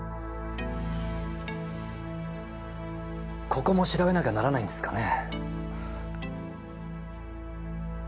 ここも調べなきゃならないんですかね？